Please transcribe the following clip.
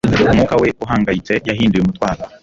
Umwuka we uhangayitse yahinduye umutwaro